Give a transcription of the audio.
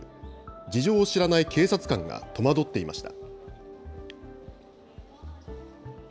事情を知らない警察官が戸惑っていました。